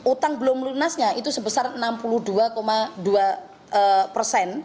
utang belum lunasnya itu sebesar enam puluh dua dua persen